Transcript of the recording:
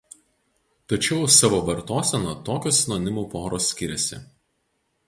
Tačiau savo vartosena tokios sinonimų poros skiriasi.